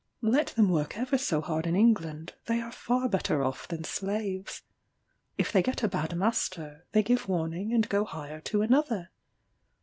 Let them work ever so hard in England, they are far better off than slaves. If they get a bad master, they give warning and go hire to another.